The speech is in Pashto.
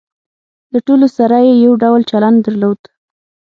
له ټولو سره یې یو ډول چلن درلود.